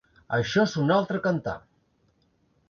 Això és un altre cantar.